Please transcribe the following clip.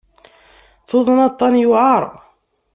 Tuḍen aṭṭan yewɛer.